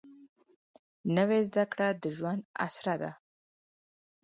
نوې زده کړه د ژوند اسره ده